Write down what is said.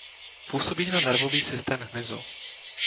Působí na nervový systém hmyzu.